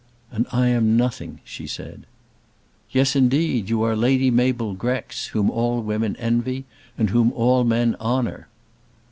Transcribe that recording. "And I am nothing," she said. "Yes, indeed; you are Lady Mabel Grex, whom all women envy, and whom all men honour."